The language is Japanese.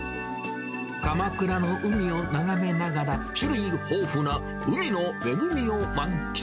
鎌倉の海を眺めながら、種類豊富な海の恵みを満喫。